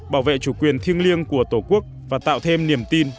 bảo vệ chủ quyền thiêng liêng của tổ quốc và tạo thêm niềm tin